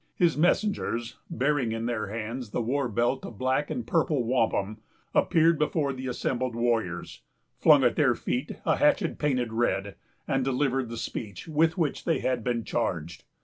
His messengers, bearing in their hands the war belt of black and purple wampum, appeared before the assembled warriors, flung at their feet a hatchet painted red, and delivered the speech with which they had been charged.